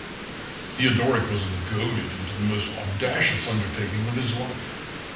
Theodoric was goaded into the most audacious undertaking of his life.